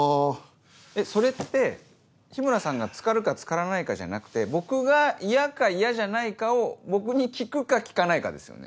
それって日村さんがつかるかつからないかじゃなくて僕が嫌か嫌じゃないかを僕に聞くか聞かないかですよね？